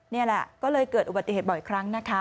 นี่แหละก็เลยเกิดอุบัติเหตุบ่อยครั้งนะคะ